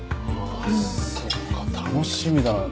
あぁそっか楽しみだな。